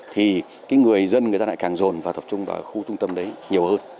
thì người dân lại càng rồn vào thập trung vào khu trung tâm đấy nhiều hơn